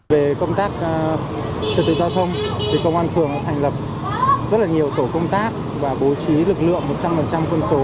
về công tác trật tự giao thông thì công an phường đã thành lập rất là nhiều tổ công tác và bố trí lực lượng một trăm linh quân số